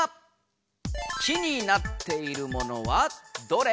「木になっているものはどれ？」。